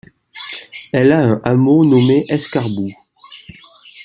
Elle a un hameau nommé Escarboues.